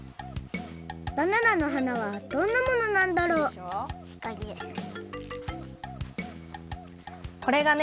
バナナの花はどんなものなんだろうこれがね